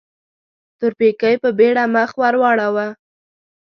تورپيکۍ په بيړه مخ ور واړاوه.